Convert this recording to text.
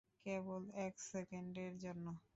কেবল এক সেকেন্ডের জন্য।